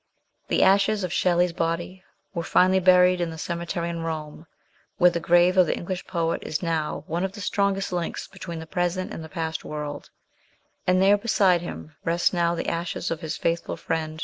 The ashes of Shelley's body were finally buried in the cemetery in Rome, where the grave of the English poet is now one of the strongest links between the present and the past world ; and there beside him rest now the ashes of his faithful friend